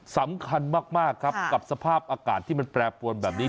สำคัญมากครับกับสภาพอากาศที่มันแปรปวนแบบนี้